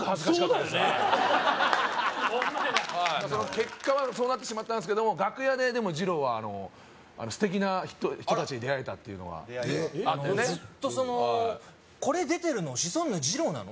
結果はそうなってしまったんですけども楽屋でじろうは素敵な人達に出会えたっていうのがあのずっとその「これ出てるのシソンヌじろうなの？